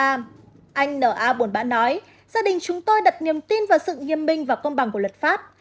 anh na buồn bã nói gia đình chúng tôi đặt niềm tin vào sự nghiêm minh và công bằng của luật pháp